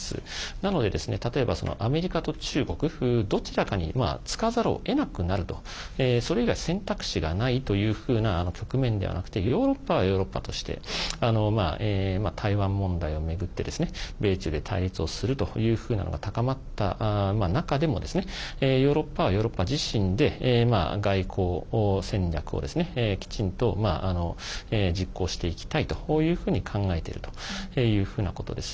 なので例えば、アメリカと中国どちらかにつかざるをえなくなるとそれ以外選択肢がないというふうな局面ではなくてヨーロッパはヨーロッパとして台湾問題を巡って、米中で対立をするというふうなのが高まった中でもヨーロッパはヨーロッパ自身で外交戦略をきちんと実行していきたいとこういうふうに考えてるというふうなことです。